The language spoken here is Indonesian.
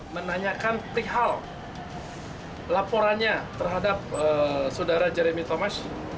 menanyakan perihal laporannya terhadap saudara jeremy thomas